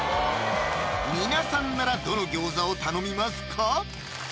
皆さんならどの餃子を頼みますか？